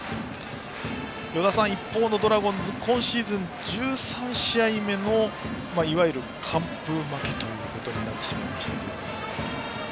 与田さん、一方のドラゴンズ今シーズン１３試合目のいわゆる完封負けとなってしまいました。